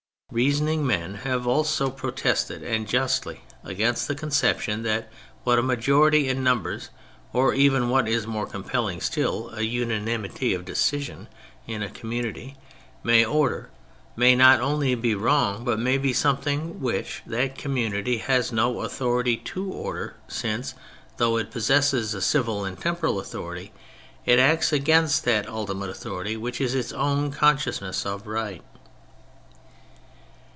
Reasoning men have also protested, and justly, against the conception that what a majority in numbers, or even (what is more compelling still) a unanimity of decision in a community may order, may not only be wrong but may be something which that community has no authority to order since, though it possesses a civil and temporal authority, it acts against that ultimate authority which is its own con sciousness of right.